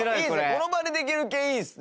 この場でできる系いいですね。